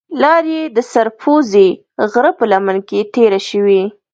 لار یې د سر پوزې غره په لمن کې تېره شوې.